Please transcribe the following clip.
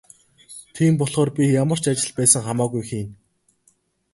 Тийм болохоор би ямар ч ажил байсан хамаагүй хийнэ.